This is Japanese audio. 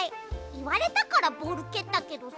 いわれたからボールけったけどさ。